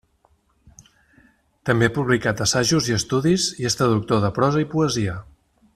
També ha publicat assajos i estudis, i és traductor de prosa i poesia.